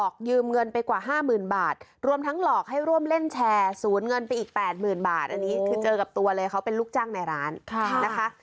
อันนี้คือเจอกับตัวเลยเขาเป็นลูกจ้างในร้านนะคะ